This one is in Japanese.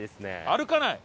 歩かない？